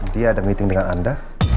dia ada meeting dengan anda